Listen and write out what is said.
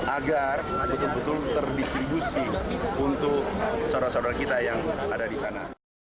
agar betul betul terdistribusi untuk saudara saudara kita yang ada di sana